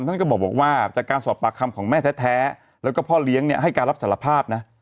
ท่านก็บอกว่าจากการสอบปากคำของแม่แท้แล้วก็พ่อเลี้ยงเนี่ยให้การรับสารภาพนะ